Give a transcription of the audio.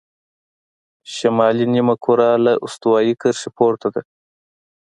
شمالي نیمهکره له استوایي کرښې پورته ده.